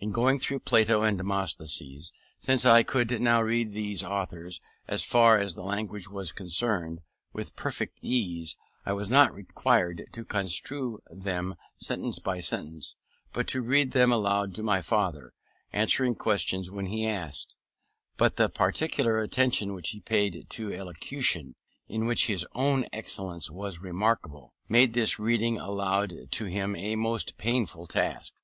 In going through Plato and Demosthenes, since I could now read these authors, as far as the language was concerned, with perfect ease, I was not required to construe them sentence by sentence, but to read them aloud to my father, answering questions when asked: but the particular attention which he paid to elocution (in which his own excellence was remarkable) made this reading aloud to him a most painful task.